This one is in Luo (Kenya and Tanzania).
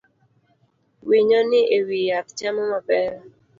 Winyo ni ewi yath chamo mapera